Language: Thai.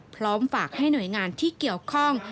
พร้อมฝากให้หน่วยงานที่เกี่ยวข้อง